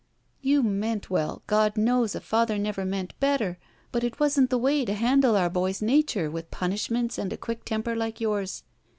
"You meant well, God knows a father never meant better, but it wasn't the way to handle our boy's nature witii punishments, and a quick temper like yours.